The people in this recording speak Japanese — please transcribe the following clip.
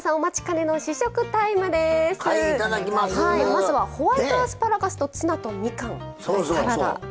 まずはホワイトアスパラガスとツナとみかんのサラダ。